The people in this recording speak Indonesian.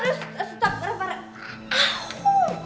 aduh sutak parah parah